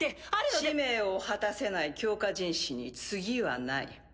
使命を果たせない強化人士に次はない。